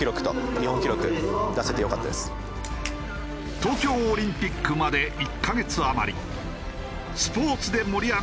東京オリンピックまで１カ月余り。